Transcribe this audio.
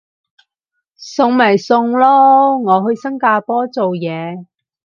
送咪送咯，我去新加坡做嘢